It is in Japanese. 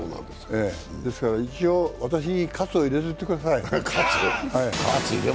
ですから一応、私に喝を入れておいてください。